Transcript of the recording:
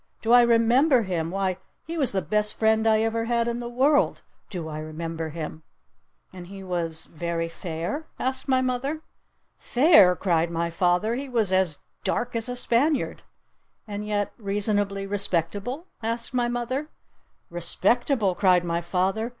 "Do I remember him? Why, he was the best friend I ever had in the world! Do I remember him?" "And he was very fair?" asked my mother. "Fair?" cried my father. "He was as dark as a Spaniard!" "And yet reasonably respectable?" asked my mother. "Respectable?" cried my father.